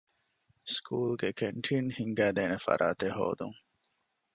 ސްކޫލުގެ ކެންޓީން ހިންގައިދޭނެ ފަރާތެއް ހޯދުން.